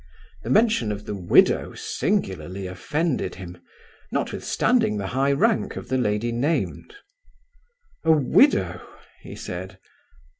The mention of the widow singularly offended him, notwithstanding the high rank of the lady named. "A widow?" he said.